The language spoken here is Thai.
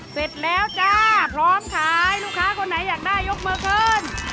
เสร็จแล้วจ้าพร้อมขายลูกค้าคนไหนอยากได้ยกมือคืน